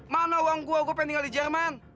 mana uang gue gue pengen tinggal di jerman